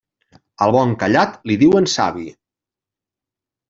Al bon callat li diuen savi.